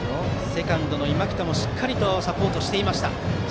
セカンドの今北もしっかりサポートしていました。